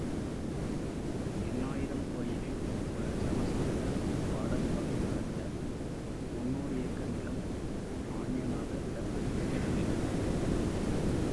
எண்ணாயிரம் கோயிலில் ஒரு சமஸ்கிருத பாடசாலை நடத்த முந்நூறு ஏக்கர் நிலம் மான்யமாக விடப்பட்டிருக்கிறது.